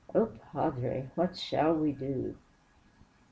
Oh, padre, what shall we do?"